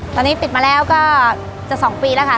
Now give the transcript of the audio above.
ตอนนี้ปิดมาแล้วก็จะ๒ปีแล้วค่ะ